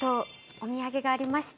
お土産がありまして。